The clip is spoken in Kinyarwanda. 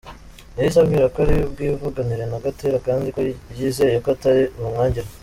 Yahise ambwira ko ari bwivuganire na Gatera kandi ko yizeye ko atari bumwangire.